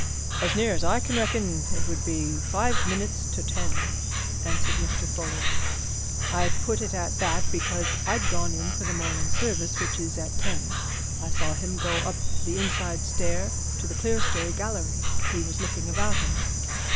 "As near as I can reckon, it would be five minutes to ten," answered Mr. Folliot. "I put it at that because I'd gone in for the morning service, which is at ten. I saw him go up the inside stair to the clerestory gallery he was looking about him.